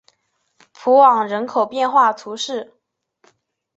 普昂人口变化图示